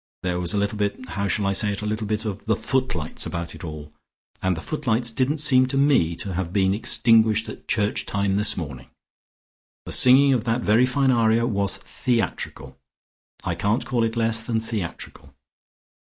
There was a little bit how shall I say it? a little bit of the footlights about it all. And the footlights didn't seem to me to have been extinguished at church time this morning. The singing of that very fine aria was theatrical, I can't call it less than theatrical."